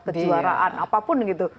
kejuaraan apapun gitu